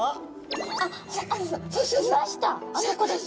あそこです。